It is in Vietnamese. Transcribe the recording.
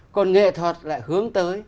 còn nghệ thuật lại hướng tới